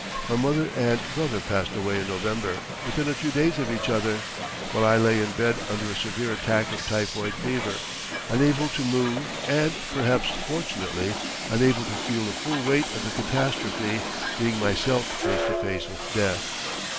My mother and brother passed away in November, within a few days of each other, while I lay in bed under a severe attack of typhoid fever, unable to move and, perhaps fortunately, unable to feel the full weight of the catastrophe, being myself face to face with death.